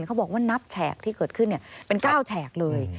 เขาบอกว่านับแฉกที่เกิดขึ้นเป็น๙แฉกเลย